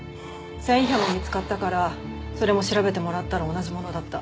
繊維片も見つかったからそれも調べてもらったら同じものだった。